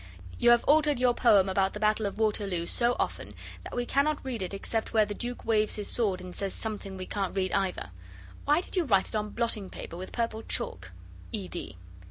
You have altered your poem about the battle of Waterloo so often, that we cannot read it except where the Duke waves his sword and says some thing we can't read either. Why did you write it on blotting paper with purple chalk? ED.